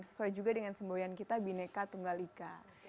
sesuai juga dengan semboyan kita bineka tunggal ika